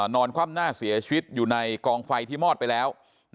คว่ำหน้าเสียชีวิตอยู่ในกองไฟที่มอดไปแล้ว